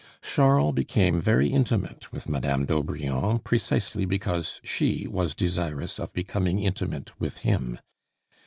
Charles became very intimate with Madame d'Aubrion precisely because she was desirous of becoming intimate with him.